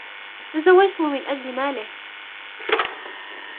تزوجته من أجل ماله.